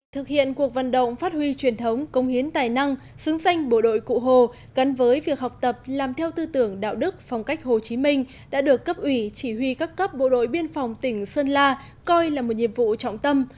thực hiện cuộc vận động phát huy truyền thống công hiến tài năng xứng danh bộ đội cụ hồ gắn với việc học tập làm theo tư tưởng đạo đức phong cách hồ chí minh đã được cấp ủy chỉ huy các cấp bộ đội biên phòng tỉnh sơn la coi là một nhiệm vụ trọng tâm